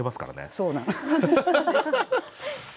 そうなの。